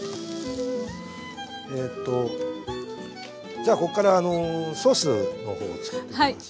じゃここからソースの方をつくっていきます。